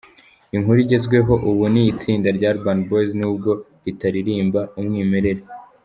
Inkuru igezweho ubu ni iy’Itsinda rya Urban Boys n’ubwo ritaririmba umwimerere.